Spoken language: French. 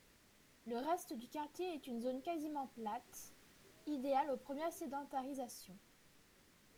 Le reste du quartier est une zone quasiment plate, idéale aux premières sédentarisations.